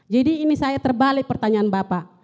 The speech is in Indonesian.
jadi ini saya terbalik pertanyaan bapak